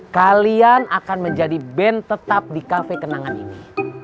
kalian akan menjadi band tetap di kafe kenangan ini